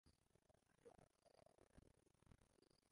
icyo yakora nyuma yo kubona